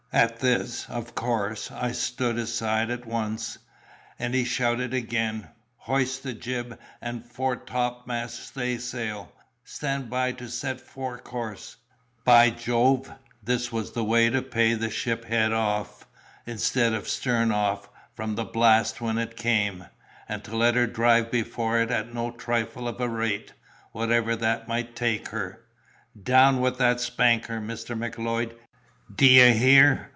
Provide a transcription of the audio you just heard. "At this, of course, I stood aside at once; and he shouted again, 'Hoist the jib and fore topmast staysail—stand by to set fore course!' By Jove! this was the way to pay the ship head off, instead of stern off, from the blast when it came—and to let her drive before it at no trifle of a rate, wherever that might take her. 'Down with that spanker, Mr. Macleod, d'ye hear?